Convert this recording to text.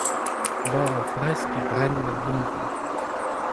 bara fresk a bren bep mintin.